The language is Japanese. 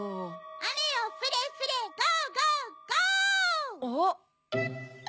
・アメよふれふれゴーゴーゴー！